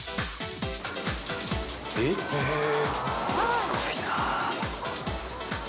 すごいな。